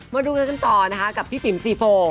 มาดูกันต่อนะคะกับพี่ติ๋มซีโฟ